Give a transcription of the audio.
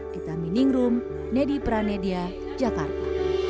kita miningrum nedi pranedia jakarta